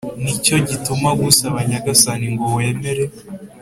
Ni cyo gituma ngusaba nyagasani ngo wemere